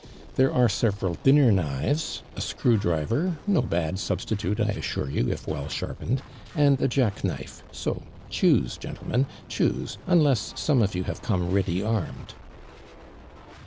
There are several dinner knives, a screw driver, no 38 ABMAND DURAND. bad substitute, I assure you, if well sharp ened, and a jack knijf«, ho choose, gentle men, choose, unless some of you have come ready armed."